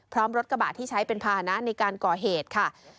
พร้อมรถกระบะที่ใช้เป็นภาษณะในการก่อเหตุค่ะ